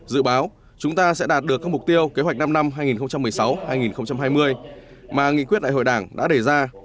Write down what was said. dự báo chúng ta sẽ đạt được các mục tiêu kế hoạch năm năm hai nghìn một mươi sáu hai nghìn hai mươi mà nghị quyết đại hội đảng đã đề ra